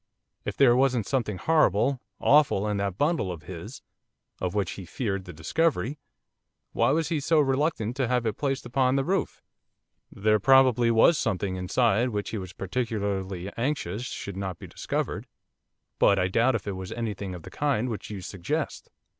If there wasn't something horrible, awful in that bundle of his, of which he feared the discovery, why was he so reluctant to have it placed upon the roof?' 'There probably was something in it which he was particularly anxious should not be discovered, but I doubt if it was anything of the kind which you suggest.